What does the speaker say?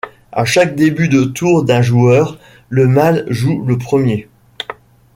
À chaque début de tour d'un joueur, le mal joue le premier.